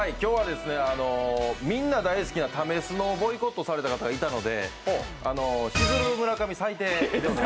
みんな大好きな「ためスノ」をボイコットされた方がいたのでしずる村上最低。